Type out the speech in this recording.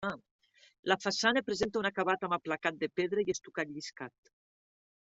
La façana presenta un acabat amb aplacat de pedra i estucat lliscat.